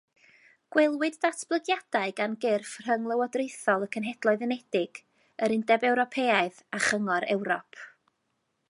Gwelwyd datblygiadau gan gyrff rhynglywodraethol y Cenhedloedd Unedig, yr Undeb Ewropeaidd a Chyngor Ewrop.